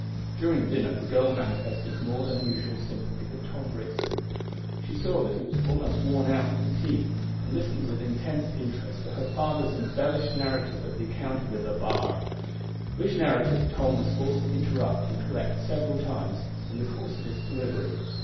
During dinner the girl manifested more than usual sympathy with Tom Brixton. She saw that he was almost worn out with fatigue, and listened with intense interest to her father's embellished narrative of the encounter with the "b'ar," which narrative Tom was forced to interrupt and correct several times, in the course of its delivery.